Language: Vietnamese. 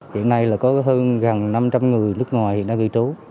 hiện nay là có hơn gần năm trăm linh người nước ngoài hiện đang cư trú